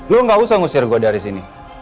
lo gak usah ngusir gue dari sini